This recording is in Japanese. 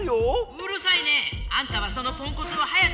うるさいねえ！あんたはそのポンコツを早く直しな！